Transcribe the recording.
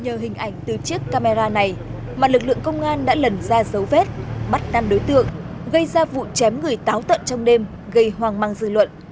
nhờ hình ảnh từ chiếc camera này mà lực lượng công an đã lần ra dấu vết bắt năm đối tượng gây ra vụ chém người táo tận trong đêm gây hoang mang dư luận